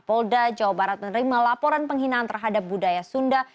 polda jawa barat menerima laporan penghinaan terhadap budaya sunda